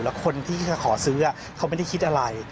แล้วคนที่จะขอซื้อเขาไม่ได้คิดอะไร